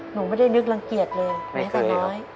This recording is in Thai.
หนูไม่ได้นึกรังเกียจเลยแม้แต่น้อย